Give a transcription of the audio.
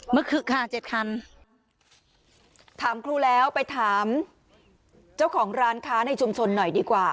คึกค่ะเจ็ดคันถามครูแล้วไปถามเจ้าของร้านค้าในชุมชนหน่อยดีกว่า